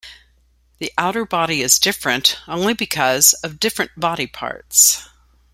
The outer body is different only because of different body parts.